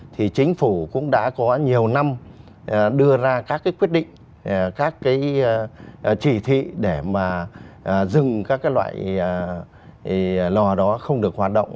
thì chính phủ cũng đã có nhiều năm đưa ra các quyết định các cái chỉ thị để mà dừng các cái loại lò đó không được hoạt động